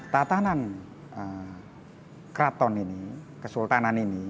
tatanan keraton ini kesultanan ini